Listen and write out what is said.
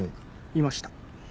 いました。